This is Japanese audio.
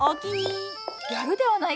やるではないか翔太。